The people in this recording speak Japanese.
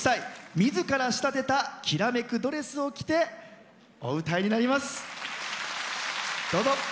みずから仕立てたきらめくドレスを着てお歌いになります。